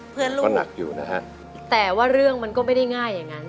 ลูกก็หนักอยู่นะฮะแต่ว่าเรื่องมันก็ไม่ได้ง่ายอย่างนั้น